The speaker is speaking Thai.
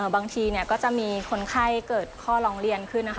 บางทีก็จะมีคนไข้เกิดข้อร้องเรียนขึ้นนะคะ